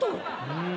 うん。